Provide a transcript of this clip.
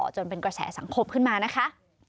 จนเป็นกระแสสังคมขึ้นมานะคะ